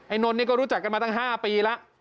นนท์นี่ก็รู้จักกันมาตั้ง๕ปีแล้ว